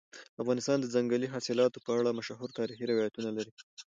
افغانستان د ځنګلي حاصلاتو په اړه مشهور تاریخي روایتونه لري.